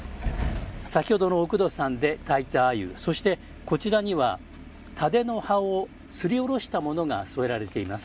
先ほどのおくどさんで炊いたあゆそして、こちらには蓼の葉をすりおろしたものが添えられています。